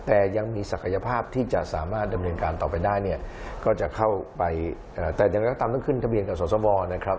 แต่ยังมีศักยภาพที่จะสามารถดำเนินการต่อไปได้เนี่ยก็จะเข้าไปแต่อย่างไรก็ตามต้องขึ้นทะเบียนกับสสวนะครับ